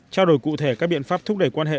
trao đổi cụ thể các biện pháp thúc đẩy quan hệ